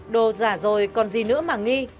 đồ giả rồi còn gì nữa mà nghi